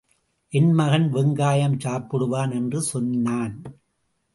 என் மகன் வெங்காயம் சாப்பிடுவான் என்று சொன்னான்.